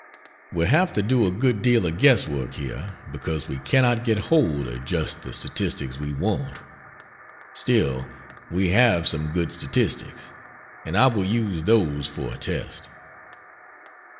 "We have to do a good deal of guess work here, because we cannot get hold of just the statistics we want. Still, we have some good statistics and I will use those for a test.